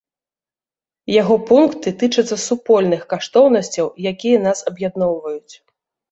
Яго пункты тычацца супольных каштоўнасцяў, якія нас аб'ядноўваюць.